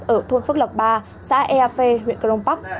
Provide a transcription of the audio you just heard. ở thôn phước lọc ba xã ea phê huyện cron park